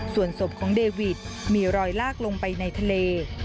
ส่วนศพของเดวิดมีรอยลากลงไปในทะเล